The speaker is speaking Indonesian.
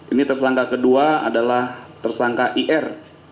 ini tersangka kedua adalah tersangka ir